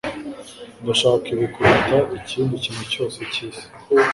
ndashaka ibi kuruta ikindi kintu cyose cyisi